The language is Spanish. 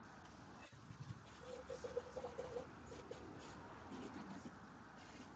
El Rin y sus brazos laterales serpenteantes penetraban casi toda la región.